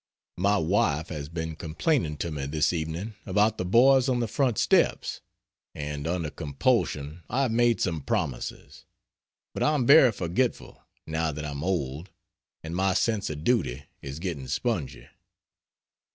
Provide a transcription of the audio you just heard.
My wife has been complaining to me this evening about the boys on the front steps and under compulsion I have made some promises. But I am very forgetful, now that I am old, and my sense of duty is getting spongy.